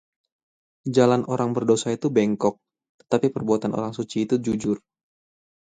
Jalan orang berdosa itu bengkok, tetapi perbuatan orang suci itu jujur.